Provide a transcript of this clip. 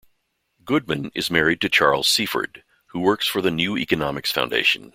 Goodman is married to Charles Seaford who works for the New Economics Foundation.